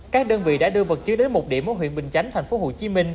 các đơn vị đã đưa vật chứa đến một điểm ở huyện bình chánh tp hcm